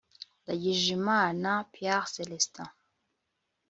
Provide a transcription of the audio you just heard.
ndagijimana pierre célestin